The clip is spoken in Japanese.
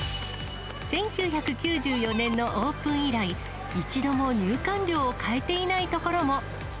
１９９４年のオープン以来、一度も入館料を変えていないところも。